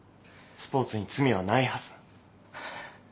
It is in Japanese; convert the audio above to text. スポーツに罪はないはず。